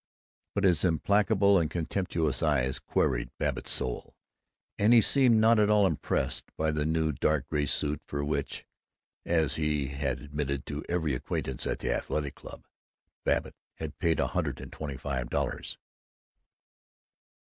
but his implacable and contemptuous eyes queried Babbitt's soul, and he seemed not at all impressed by the new dark gray suit for which (as he had admitted to every acquaintance at the Athletic Club) Babbitt had paid a hundred and twenty five dollars.